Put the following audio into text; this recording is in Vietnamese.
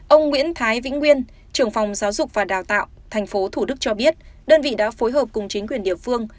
ông nguyễn thái vĩnh nguyên trưởng phòng giáo dục và đào tạo tp thủ đức cho biết đơn vị đã phối hợp cùng chính quyền địa phương